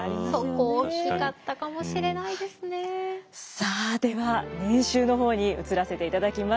さあでは年収の方に移らせていただきます。